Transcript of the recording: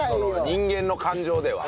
人間の感情では。